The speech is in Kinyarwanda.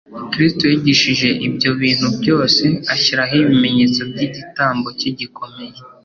Kristo yigishije ibyo bintu byose ashyiraho ibimenyetso by'igitambo cye gikomeye.